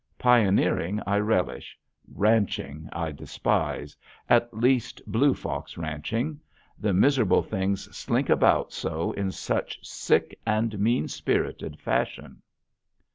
Pioneering I relish; ranching I despise, at least blue fox ranching. The miserable things slink about so in such sick and mean spirited fashion.